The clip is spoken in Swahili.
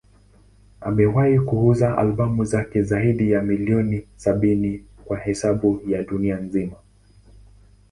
Amewahi kuuza albamu zake zaidi ya milioni sabini kwa hesabu ya dunia nzima.